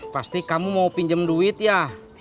pasti kamu mau pinjam duit ya